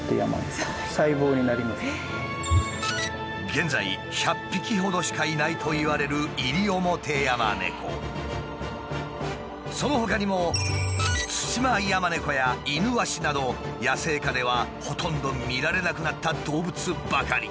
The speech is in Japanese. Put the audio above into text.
現在１００匹ほどしかいないといわれるそのほかにもツシマヤマネコやイヌワシなど野生下ではほとんど見られなくなった動物ばかり。